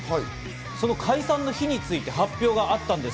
その解散の日について、発表があったんです。